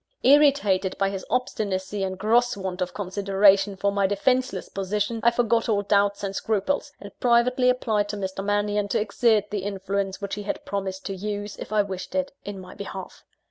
Irritated by his obstinacy and gross want of consideration for my defenceless position, I forgot all doubts and scruples; and privately applied to Mr. Mannion to exert the influence which he had promised to use, if I wished it, in my behalf.